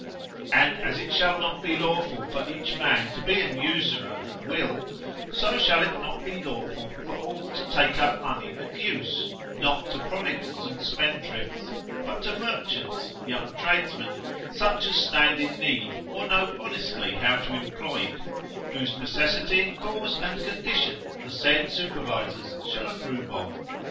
And as it shall not be lawful for each man to be an usurer that will, so shall it not be lawful for all to take up money at use, not to prodigals and spendthrifts, but to merchants, young tradesmen, such as stand in need, or know honestly how to employ it, whose necessity, cause and condition the said supervisors shall approve of.